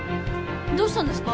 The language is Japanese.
どうしたんですか？